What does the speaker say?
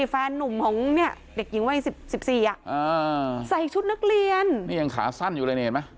แฟนนุ่มของเนี่ยเด็กหญิงวัยสิบสี่อ่ะอ่าใส่ชุดนักเรียนนี่ยังขาสั้นอยู่เลยนี่เห็นไหม